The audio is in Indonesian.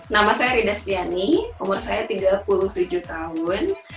nama saya rida setiani umur saya tiga puluh tujuh tahun